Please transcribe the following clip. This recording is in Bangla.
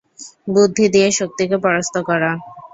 বুদ্ধি দিয়ে শক্তিকে পরাস্ত করা।